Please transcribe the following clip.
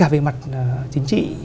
về mặt chính trị